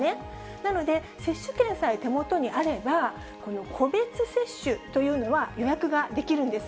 なので、接種券さえ手元にあれば、個別接種というのは予約ができるんです。